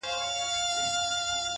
ځوان ناست دی!